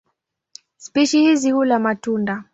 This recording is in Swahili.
Spishi hizi hula matunda.